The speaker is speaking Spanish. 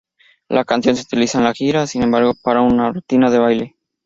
La canción se utilizó en la gira, sin embargo, para una rutina de baile.